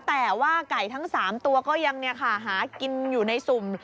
แต่ว่าไก่ทั้ง๓ตัวก็ยังหากินอยู่ในสุ่ม